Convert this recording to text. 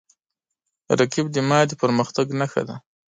رقیب زما د پرمختګ نښه ده